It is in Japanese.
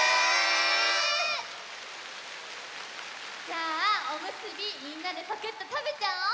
じゃあおむすびみんなでぱくっとたべちゃおう！